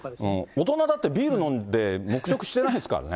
大人だってビール飲んで黙食してないですからね。